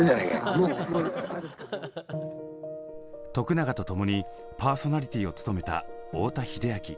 永とともにパーソナリティーを務めた太田英明。